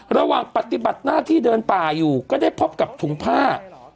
ระหว่างปฏิบัติหน้าที่เดินป่าอยู่ก็ได้พบกับถุงผ้า